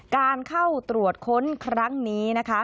การเข้าตรวจค้นครั้งนี้นะคะ